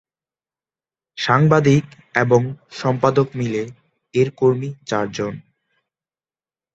সাংবাদিক এবং সম্পাদক মিলে এর কর্মী চারজন।